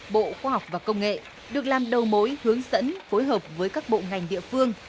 bộ khoa học và công nghệ được làm đầu mối hướng dẫn phối hợp với các bộ ngành địa phương